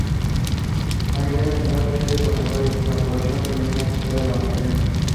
A nivel nacional sucede lo contrario, la población femenina supera a la masculina.